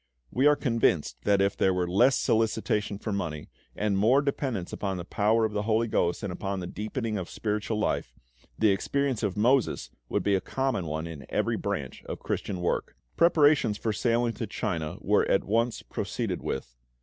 We are convinced that if there were less solicitation for money and more dependence upon the power of the HOLY GHOST and upon the deepening of spiritual life, the experience of Moses would be a common one in every branch of Christian work. Preparations for sailing to China were at once proceeded with.